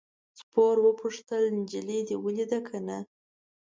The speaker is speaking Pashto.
سپور وپوښتل نجلۍ دې ولیده که نه.